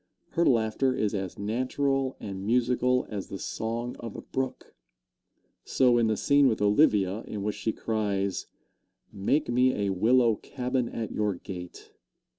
Her laughter is as natural and musical as the song of a brook. So, in the scene with Olivia in which she cries, "Make me a willow cabin at your gate!"